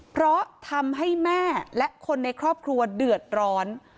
เพราะทำให้แม่และคนในครอบครัวเดือดร้อน